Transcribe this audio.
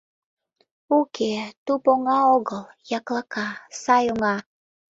— Уке, туп оҥа огыл, яклака, сай оҥа...